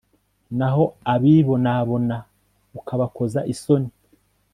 naho abibonabona ukabakoza isoni